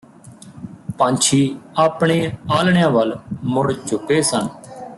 ਪੰਛੀ ਆਪਣੇ ਆਲ੍ਹਣਿਆਂ ਵੱਲ ਮੁੜ ਚੁੱਕੇ ਸਨ